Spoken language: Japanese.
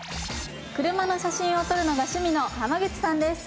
車の写真を撮るのが趣味の口さんです。